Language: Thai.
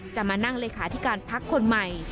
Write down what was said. จะมานั่งเลขาธิการพักคนใหม่